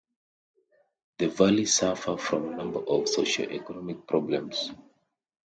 The Valleys suffer from a number of socio-economic problems.